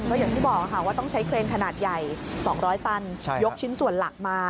ก็อย่างที่บอกค่ะว่าต้องใช้เครนขนาดใหญ่๒๐๐ตันยกชิ้นส่วนหลักมา